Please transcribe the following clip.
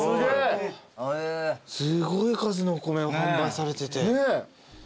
すごい数のお米を販売されてて。